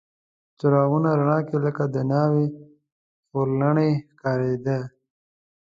د څراغونو رڼا کې لکه د ناوې خورلڼې ښکارېدې.